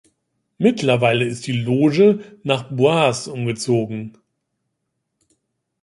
Mittlerweile ist die Loge nach Boise umgezogen.